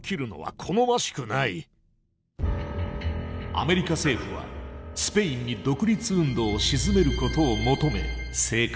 アメリカ政府はスペインに独立運動を鎮めることを求め静観。